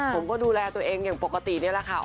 ผมก็ดูแลตัวเองอย่างปกตินี่แหละค่ะ